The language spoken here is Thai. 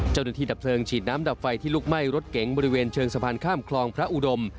ดับเพลิงฉีดน้ำดับไฟที่ลุกไหม้รถเก๋งบริเวณเชิงสะพานข้ามคลองพระอุดม